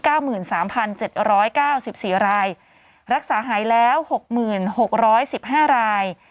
หมื่นสามพันเจ็ดร้อยเก้าสิบสี่รายรักษาหายแล้วหกหมื่นหกร้อยสิบห้าราย